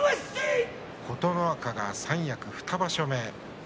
琴ノ若が三役２場所目